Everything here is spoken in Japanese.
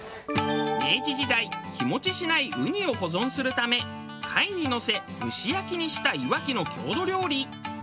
明治時代日持ちしないウニを保存するため貝にのせ蒸し焼きにしたいわきの郷土料理。